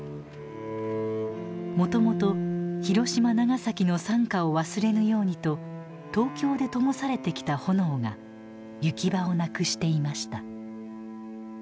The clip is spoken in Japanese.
もともと広島長崎の惨禍を忘れぬようにと東京でともされてきた炎が行き場をなくしていました。